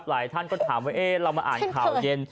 หลายท่านก็ถามว่าเรามาอ่านข่าวเย็น